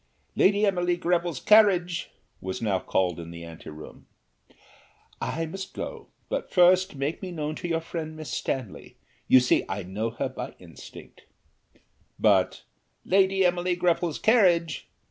"Lady Emily Greville's carriage!" was now called in the anteroom. "I must go, but first make me known to your friend Miss Stanley, you see I know her by instinct;" but "Lady Emily Greville's carriage!"